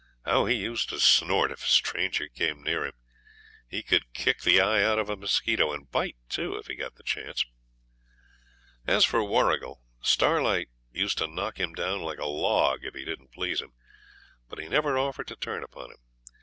How he used to snort if a stranger came near him! He could kick the eye out of a mosquito, and bite too, if he got the chance. As for Warrigal, Starlight used to knock him down like a log if he didn't please him, but he never offered to turn upon him.